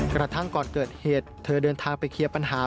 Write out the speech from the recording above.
กระทั่งก่อนเกิดเหตุเธอเดินทางไปเคลียร์ปัญหา